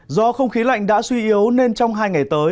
do không khí lạnh đã suy yếu nên trong hai ngày tới